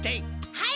はい！